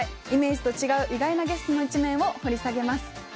イメージと違う意外なゲストの一面を掘り下げます。